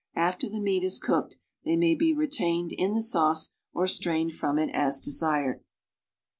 After the meat is cooked they may be retained in the sauce or strained from it asdesired.